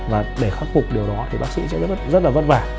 và để khắc phục điều đó thì bác sĩ sẽ rất là vất vả